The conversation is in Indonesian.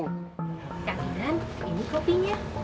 kak idan ini kopinya